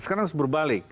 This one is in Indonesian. sekarang harus berbalik